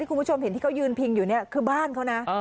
คุณผู้ชมเห็นที่เขายืนพิงอยู่เนี่ยคือบ้านเขานะ